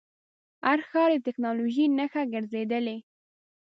هر ښار یې د ټکنالوژۍ نښه ګرځېدلی.